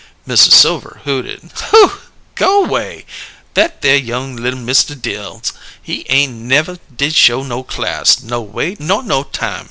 Mrs. Silver hooted. "Go way! That there young li'l Mista Dills, he ain' nev' did show no class, no way nor no time.